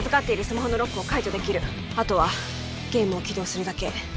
スマホのロックを解除できるあとはゲームを起動するだけ